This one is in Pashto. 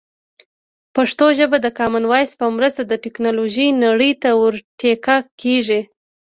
پښتو ژبه د کامن وایس په مرسته د ټکنالوژۍ نړۍ ته ور ټيکه کېږي.